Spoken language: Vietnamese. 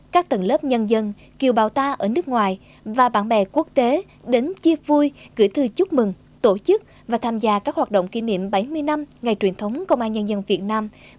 các tầng lớp nhân dân kiều bào ta ở nước ngoài và bạn bè quốc tế đến chia vui gửi thư chúc mừng tổ chức và tham gia các hoạt động kỷ niệm bảy mươi năm ngày truyền thống công an nhân dân việt nam